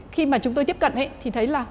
khi mà chúng tôi tiếp cận ấy thì thấy là